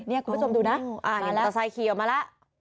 เนี่ยคุณผู้ชมดูนะตะไซด์ขี่ออกมาล่ะ